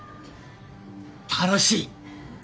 楽しい！